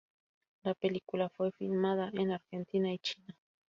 La película fue filmada en Argentina y China.